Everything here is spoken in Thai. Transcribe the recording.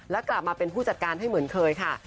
และกลับมาเป็นผู้จัดการให้เหมือนเคยค่ะ